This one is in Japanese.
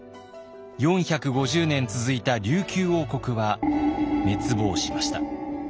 ４５０年続いた琉球王国は滅亡しました。